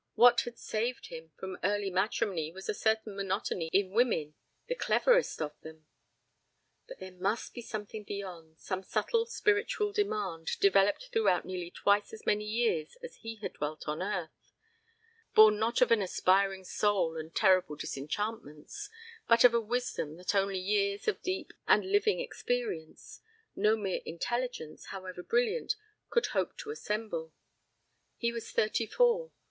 What had saved him from early matrimony was a certain monotony in women, the cleverest of them. But there must be something beyond, some subtle spiritual demand, developed throughout nearly twice as many years as he had dwelt on earth; born not only of an aspiring soul and terrible disenchantments, but of a wisdom that only years of deep and living experience, no mere intelligence, however brilliant, could hope to assemble. He was thirty four.